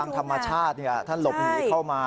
ท่องทางธรรมชาติท่านหลบหนีเข้ามา